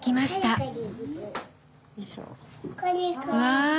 わあ！